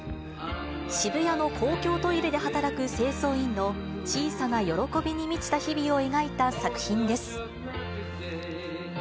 渋谷の公共トイレで働く清掃員の小さな喜びに満ちた日々を描いた作品です。